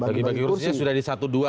bagi bagi kursinya sudah di satu dua gitu ya